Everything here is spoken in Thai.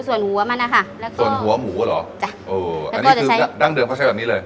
ส่วนหัวมันนะคะแล้วก็ส่วนหัวหมูเหรอจ้ะเอออันนี้คือดั้งเดิมเขาใช้แบบนี้เลย